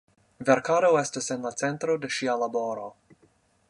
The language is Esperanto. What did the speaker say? Verkado estas en la centro de ŝia laboro.